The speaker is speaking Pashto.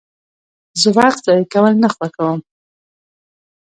زه وخت ضایع کول نه خوښوم.